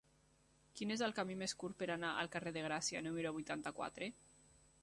Quin és el camí més curt per anar al carrer de Gràcia número vuitanta-quatre?